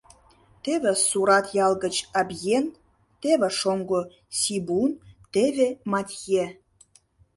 Теве Сурат ял гыч Абьен, теве шоҥго Сибун, теве Матье.